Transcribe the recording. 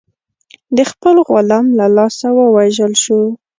د خپل غلام له لاسه ووژل شو.